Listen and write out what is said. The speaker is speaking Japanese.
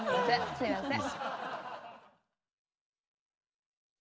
すいません。